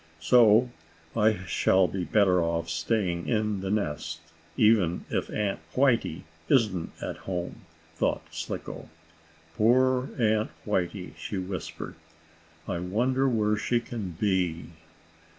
"So I shall be better off staying in the nest, even if Aunt Whitey isn't at home," thought Slicko. "Poor Aunt Whitey!" she whispered. "I wonder where she can be."